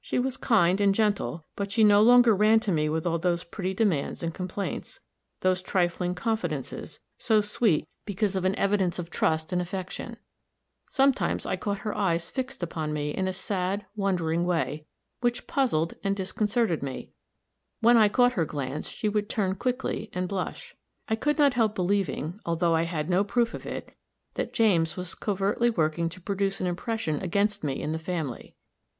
She was kind and gentle, but she no longer ran to me with all those pretty demands and complaints, those trifling confidences, so sweet because an evidence of trust and affection; sometimes I caught her eyes fixed upon me in a sad, wondering way, which puzzled and disconcerted me; when I caught her glance, she would turn quickly, and blush. I could not help believing, although I had no proof of it, that James was covertly working to produce an impression against me in the family.